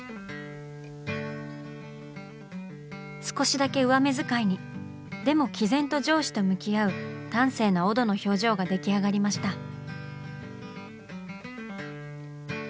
少しだけ上目使いにでも毅然と上司と向き合う端正なオドの表情が出来上がりました。